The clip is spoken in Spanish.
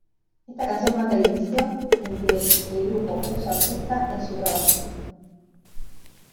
Esta canción marca el inicio en que el grupo usa Orquesta en su trabajo.